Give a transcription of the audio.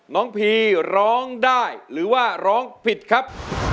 พีร้องได้หรือว่าร้องผิดครับ